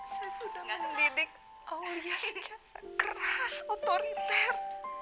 saya sudah mendidik aulia sejak keras otoriter